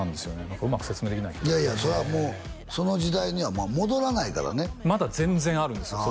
何かうまく説明できないけどいやいやそれはもうその時代には戻らないからねまだ全然あるんですよ